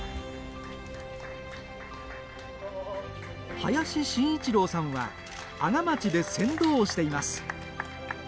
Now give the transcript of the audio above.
林眞一郎さんは阿賀町で船頭をしています。